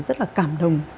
rất là cảm đồng